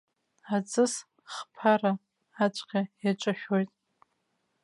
Аҵыс хԥара ацәҟьа иаҿашәоит.